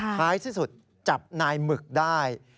คล้ายสิ้นสุดจับนายหมึกได้